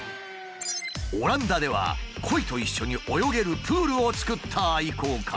オランダではコイと一緒に泳げるプールを造った愛好家も。